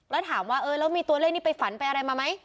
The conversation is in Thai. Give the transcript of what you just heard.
แล้วถามว่าเออแล้วมีตัวเลขนี้ไปฝันไปอะไรมาไหม